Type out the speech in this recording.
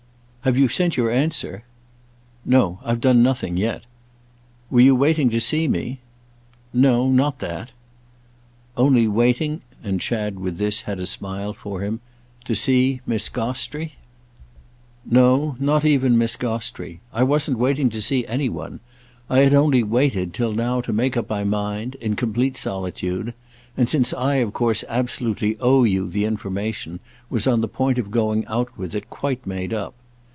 "Have you sent your answer?" "No, I've done nothing yet." "Were you waiting to see me?" "No, not that." "Only waiting"—and Chad, with this, had a smile for him—"to see Miss Gostrey?" "No—not even Miss Gostrey. I wasn't waiting to see any one. I had only waited, till now, to make up my mind—in complete solitude; and, since I of course absolutely owe you the information, was on the point of going out with it quite made up.